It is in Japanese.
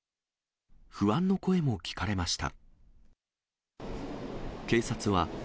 不安の声も聞かれました。